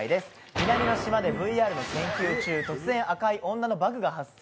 南の島までＶＲの研究中、突然赤い女のバグが発生。